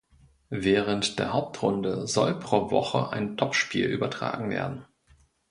Während der Hauptrunde soll pro Woche ein Top-Spiel übertragen werden.